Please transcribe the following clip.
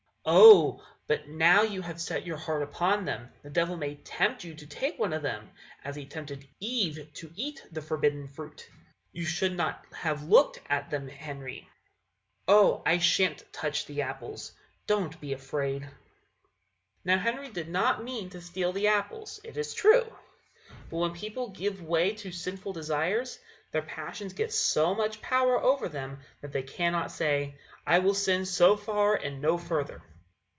Lucy. "Oh! but now you have set your heart upon them, the devil may tempt you to take one of them, as he tempted Eve to eat the forbidden fruit. You should not have looked at them, Henry." Henry. "Oh, I shan't touch the apples! Don't be afraid." [Illustration: "There was one he could just reach." Page 26.] Now Henry did not mean to steal the apples, it is true; but when people give way to sinful desires, their passions get so much power over them that they cannot say, "I will sin so far, and no further."